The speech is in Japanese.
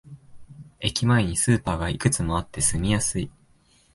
駅前にスーパーがいくつもあって住みやすい